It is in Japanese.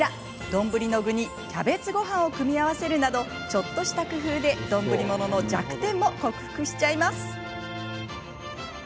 丼の具にキャベツごはんを組み合わせるなどちょっとした工夫で丼物の弱点も克服しちゃいます。